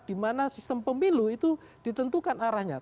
dimana sistem pemilu itu ditentukan arahnya